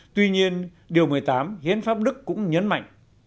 tuy nhiên điều một mươi tám hiến pháp đức cũng nhấn mạnh